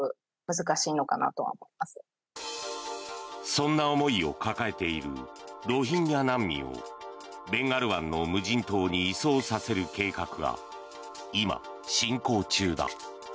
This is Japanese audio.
そんな思いを抱えているロヒンギャ難民をベンガル湾の無人島に移送させる計画が今、進行中だ。